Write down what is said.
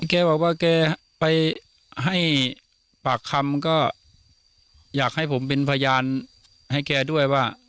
แกบอกว่าแกไปให้ปากคำก็อยากให้ผมเป็นพยานให้แกด้วยว่า